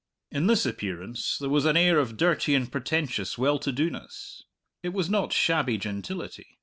In this appearance there was an air of dirty and pretentious well to do ness. It was not shabby gentility.